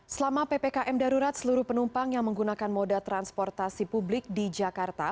selama ppkm darurat seluruh penumpang yang menggunakan moda transportasi publik di jakarta